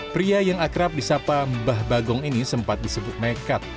pria yang akrab di sapa mbah bagong ini sempat disebut nekat